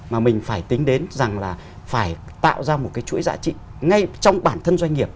mà mình phải tính đến rằng là phải tạo ra một cái chuỗi giá trị ngay trong bản thân doanh nghiệp